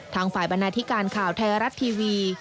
ทางฝ่ายบรรณาธิการข่าวไทยรัฐทีวี